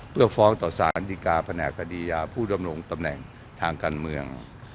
เพื่อฟ้องต่อสารดีกาแผนกคดียาผู้ดำรงตำแหน่งทางการเมือง